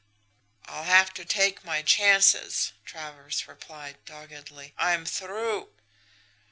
"'I'll have to take my chances,' Travers replied doggedly. 'I'm through!'